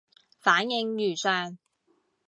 反應如上